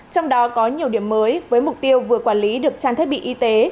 trong đó có nhiều điểm mới với mục tiêu vừa quản lý được trang thiết bị y tế